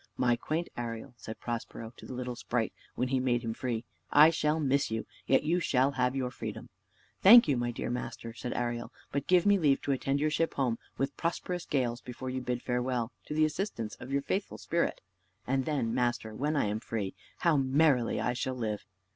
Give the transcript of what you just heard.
"My quaint Ariel," said Prospero to the little sprite when he made him free, "I shall miss you; yet you shall have your freedom." "Thank you, my dear master," said Ariel; "but give me leave to attend your ship home with prosperous gales, before you bid farewell to the assistance of your faithful spirit; and then, master, when I am free, how merrily I shall live!"